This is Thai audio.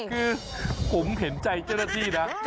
คือผมเห็นใจเจ้าหน้าที่นะ